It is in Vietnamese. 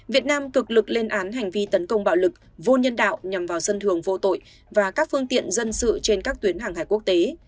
việt nam cực lực lên án hành vi tấn công bạo lực vô nhân đạo nhằm vào dân thường vô tội và các phương tiện dân sự trên các tuyến hàng hải quốc tế